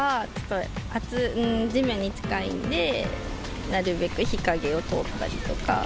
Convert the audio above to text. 地面に近いんで、なるべく日陰を通ったりとか。